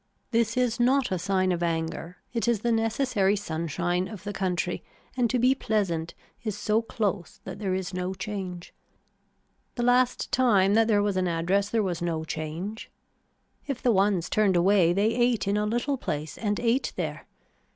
This is not a sign of anger it is the necessary sunshine of the country and to be pleasant is so close that there is no change. The last time that there was an address there was no change. If the ones turned away they ate in a little place and ate there.